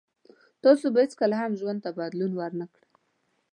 تاسو به هیڅکله هم ژوند ته بدلون ور نه کړی